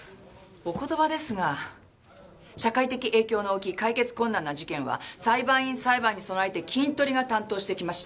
お言葉ですが社会的影響の大きい解決困難な事件は裁判員裁判に備えてキントリが担当してきました。